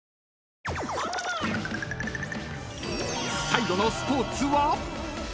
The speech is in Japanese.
［最後のスポーツは？］